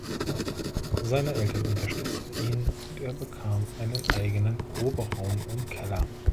Seine Eltern unterstützten ihn, und er bekam einen eigenen Proberaum im Keller.